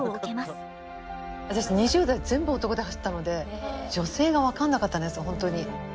私２０代全部男で走ったので女性がわからなかったんです本当に。